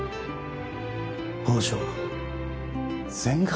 宝条全額？